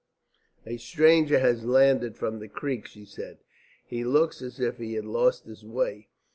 "A stranger has landed from the creek," she said. "He looks as if he had lost his way.